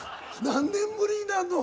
何年ぶりになんの？